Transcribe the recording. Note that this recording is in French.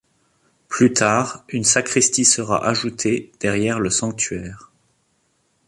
Plus tard une sacristie sera ajoutée derrière le sanctuaire.